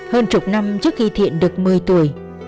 hơn chục năm trước khi thiện được một mươi tuổi